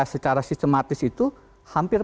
secara sistematis itu hampir